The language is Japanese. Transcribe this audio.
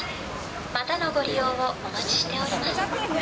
またのご利用をお待ちしております。